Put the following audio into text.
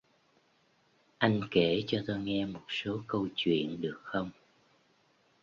Anh kể cho tôi nghe một số câu chuyện được không